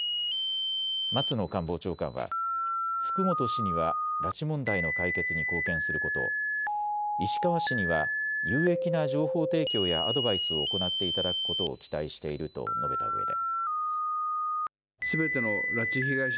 松野官房長官は福本氏には拉致問題の解決に貢献することを、石川氏には有益な情報提供やアドバイスを行っていただくことを期待していると述べたうえで。